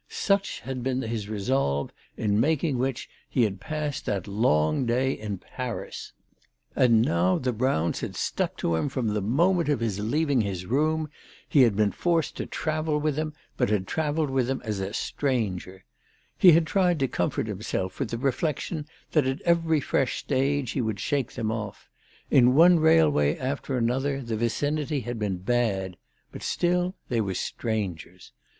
Such had been his resolve, in making which he had passed that long day in Paris. And 254 CHRISTMAS AT THOMPSON HALL. now the Browns had stuck to him from the moment of his leaving his room ! he had been forced to travel with them, but had travelled with them as a stranger. He had tried to comfort himself with the reflection that at every fresh stage he would shake them off. In one railway after another the vicinity had been bad, but still they were strangers.